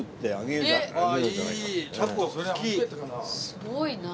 すごいな。